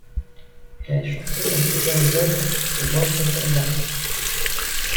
Elle a chanté dans plusieurs œuvres de Jean-Chrétien Bach.